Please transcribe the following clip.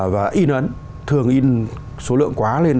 và in ấn thường in số lượng quá lên